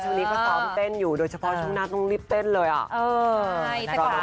ช่วงนี้ก็ซ้อมเต้นอยู่โดยเฉพาะช่วงหน้าต้องรีบเต้นเลยอ่ะ